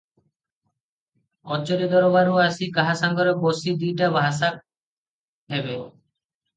କଚେରି ଦରବାରରୁ ଆସି କାହା ସାଙ୍ଗରେ ବସି ଦି'ଟା କଥାଭାଷା ହେବେ?